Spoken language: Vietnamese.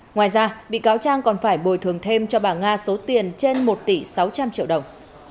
ngoài ra bị cáo trang còn phải bồi thường thêm cho bà nga số tiền trên một tỷ sáu trăm linh triệu đồng